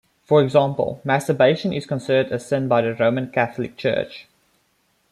For example, masturbation is considered a sin by the Roman Catholic Church.